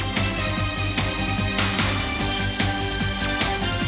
เตรียมผู้ใช้งาน